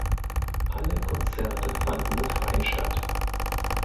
Alle Konzerte fanden im Freien statt.